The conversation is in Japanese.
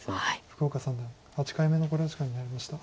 福岡三段８回目の考慮時間に入りました。